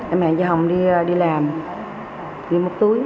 em hẹn chị hồng đi làm đi móc túi